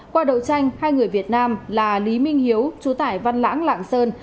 qua đầu tranh hai người việt nam là lý minh hiếu chú tải văn lãng lạng sơn